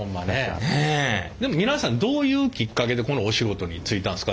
でも皆さんどういうきっかけでこのお仕事に就いたんですか？